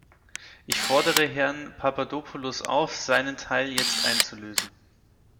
Ich fordere Herrn Papadopoulos auf, seinen Teil jetzt einzulösen.